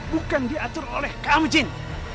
bukan diatur oleh kaum jin